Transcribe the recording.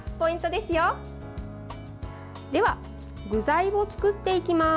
では、具材を作っていきます。